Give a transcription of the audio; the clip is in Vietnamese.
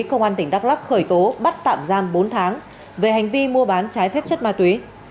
công an tỉnh đắk lắc khởi tố bắt tạm giam bốn tháng về hành vi mua bán trái phép chất ma túy